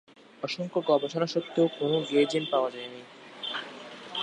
অসংখ্য গবেষণা সত্ত্বেও কোনো "গে জিন" পাওয়া যায়নি।